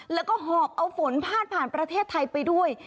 แล้วก็หอบเอาฝนพาดผ่านประเทศไทยไปด้วย